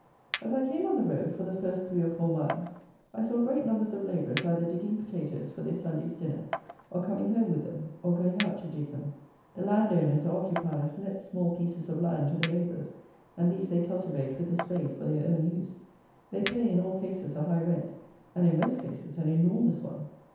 As I came on the road, for the first three or four miles, I saw great numbers of labourers either digging potatoes for their Sunday's dinner, or coming home with them, or going out to dig them. The land owners, or occupiers, let small pieces of land to the labourers, and these they cultivate with the spade for their own use. They pay in all cases a high rent, and in most cases an enormous one.